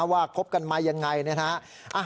ว่าคบกันมั้ยยังไงนะฮะ